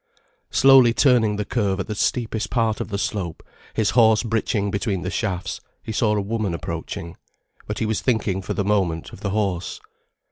Slowly turning the curve at the steepest part of the slope, his horse britching between the shafts, he saw a woman approaching. But he was thinking for the moment of the horse.